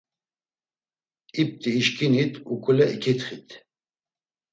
İpti işkinit, uǩule iǩitxit.